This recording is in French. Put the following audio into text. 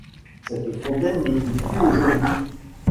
Cette fontaine ne coule plus ajourd'hui.